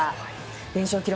連勝記録